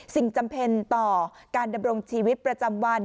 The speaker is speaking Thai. จำเป็นต่อการดำรงชีวิตประจำวัน